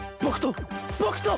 僕と！